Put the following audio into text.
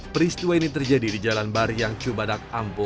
peristiwa ini terjadi di jalan baryang cubadak ampo